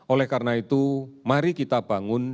oleh karena itu mari kita bangun